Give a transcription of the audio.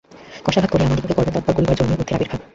কশাঘাত করিয়া আমাদিগকে কর্মে তৎপর করিবার জন্যই বুদ্ধের আবির্ভাব।